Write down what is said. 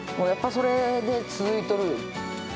やっぱそれで続いとる。